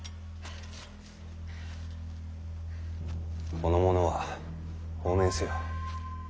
この者は放免せよ。